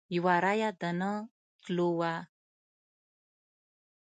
یو رایه د نه تلو وه.